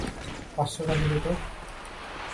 পাঁচশ টাকা দে তো।